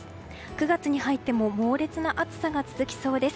９月に入っても猛烈な暑さが続きそうです。